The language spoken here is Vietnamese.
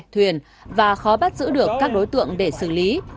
thuyền và khó bắt giữ được các đối tượng để xử lý